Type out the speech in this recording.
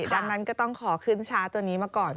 ดังนั้นก็ต้องขอขึ้นช้าตัวนี้มาก่อน